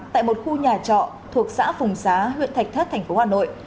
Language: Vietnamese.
tại một khu nhà trọ thuộc xã phùng xá huyện thạch thất tp hà nội